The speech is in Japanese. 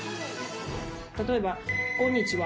例えば、こんにちは。